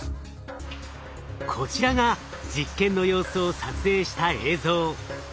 こちらが実験の様子を撮影した映像。